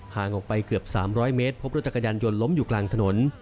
ห่างออกไปเกือบ๓๐๐เมตรพบรถจักรยานยนต์ล้มอยู่กลางถนน